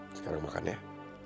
sekarang makan ya